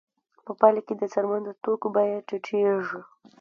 په پایله کې د څرمن د توکو بیه ټیټېږي